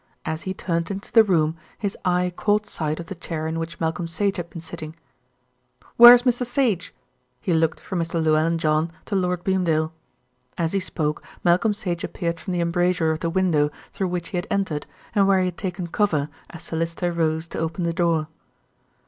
As he turned into the room his eye caught sight of the chair in which Malcolm Sage had been sitting. "Where is Mr. Sage?" He looked from Mr. Llewellyn John to Lord Beamdale. As he spoke Malcolm Sage appeared from the embrasure of the window through which he had entered, and where he had taken cover as Sir Lyster rose to open the door.